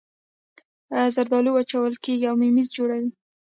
زردالو وچول کیږي او ممیز جوړوي